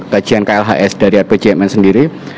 kajian klhs dari rpjmn sendiri